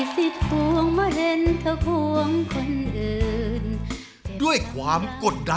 สวัสดีครับผม